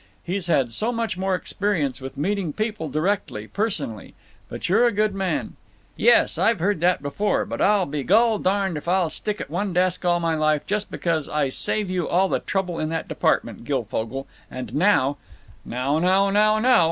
He's had so much more experience with meeting people directly—personally. But you're a good man—" "Yes, I've heard that before, but I'll be gol darned if I'll stick at one desk all my life just because I save you all the trouble in that department, Guilfogle, and now—" "Now, now, now, now!